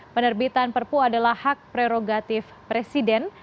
penerbitan perpu adalah hak prerogatif presiden